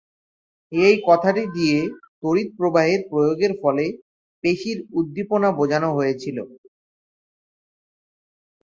এই কথাটি দিয়ে তড়িৎ প্রবাহের প্রয়োগের ফলে পেশীর উদ্দীপনা বোঝানো হয়েছিল।